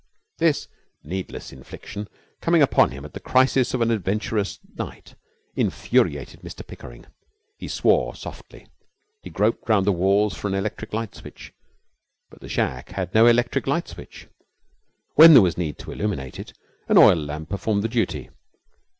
This needless infliction, coming upon him at the crisis of an adventurous night, infuriated Mr Pickering. He swore softly. He groped round the walls for an electric light switch, but the shack had no electric light switch. When there was need to illuminate it an oil lamp performed the duty.